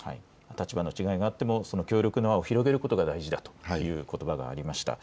立場の違いがあっても、その協力の輪を広げることが大事だということばがありました。